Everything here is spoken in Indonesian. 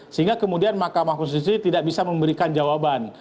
sehingga kemudian mahkamah konstitusi tidak bisa memberikan jawaban